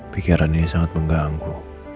pikiran ini sangat mengganggu